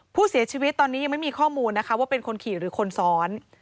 ผู้เสียชีวิตตอนนี้ยังไม่มีข้อมูลนะคะว่าเป็นคนขี่หรือคนซ้อน